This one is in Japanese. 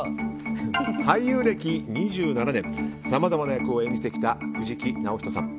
俳優歴２７年さまざまな役を演じてきた藤木直人さん。